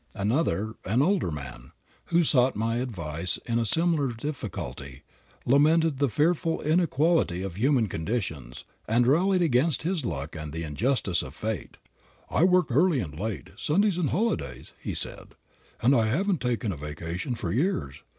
Another, an older man, who sought my advice in a similar difficulty, lamented the fearful inequality of human conditions, and railed against his luck and the injustice of fate. "I work early and late, Sundays and holidays," he said, "and haven't taken a vacation for years.